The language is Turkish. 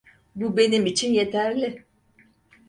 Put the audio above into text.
Bu benim için yeterli.